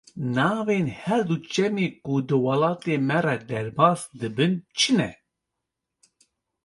Navên her du çemê ku di welatê me re derbas dibin çi ne?